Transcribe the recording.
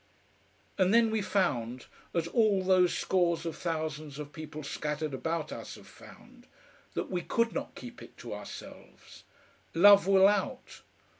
And then we found, as all those scores of thousands of people scattered about us have found, that we could not keep it to ourselves. Love will out.